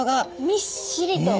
みっしりと。